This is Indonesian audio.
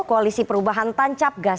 koalisi perubahan tancapgas